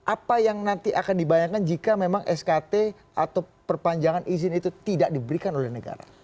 apa yang nanti akan dibayangkan jika memang skt atau perpanjangan izin itu tidak diberikan oleh negara